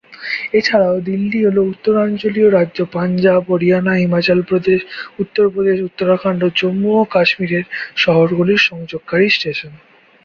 এছাড়াও, দিল্লি হল উত্তরাঞ্চলীয় রাজ্য পাঞ্জাব, হরিয়ানা, হিমাচল প্রদেশ, উত্তর প্রদেশ, উত্তরাখণ্ড ও জম্মু ও কাশ্মীরের শহরগুলির সংযোগকারী স্টেশন।